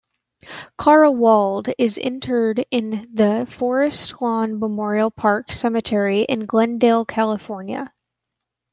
Clara Ward is interred in the Forest Lawn Memorial Park Cemetery in Glendale, California.